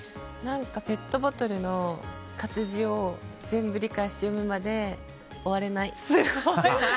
ペットボトルの活字を全部理解して読むまですごい！